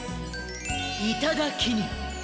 いただきに。